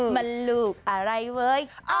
มันลูกอะไรเว้ย